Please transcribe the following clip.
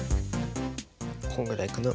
こんぐらいかな？